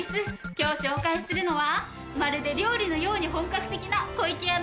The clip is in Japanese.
今日紹介するのはまるで料理のように本格的な湖池屋のスナック菓子よ。